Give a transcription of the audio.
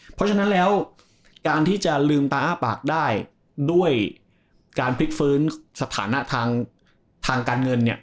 เพราะฉะนั้นแล้วการที่จะลืมตาอ้าปากได้ด้วยการพลิกฟื้นสถานะทางการเงินเนี่ย